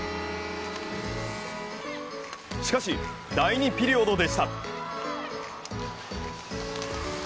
しかし、第２ピリオドでした。